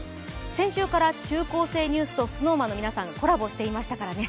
先週から「中高生ニュース」とＳｎｏｗＭａｎの皆さん、コラボしていましたからね。